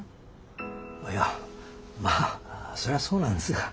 いやまあそれはそうなんですが。